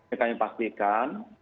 ini kami pastikan